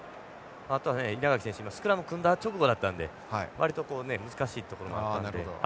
あとは稲垣選手スクラムを組んだ直後だったので割と難しいところもあったなと。